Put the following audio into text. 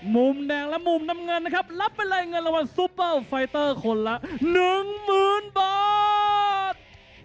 มุมแดงและมุมน้ำเงินนะครับรับไปเลยเงินรางวัลซูเปอร์ไฟเตอร์คนละ๑๐๐๐บาท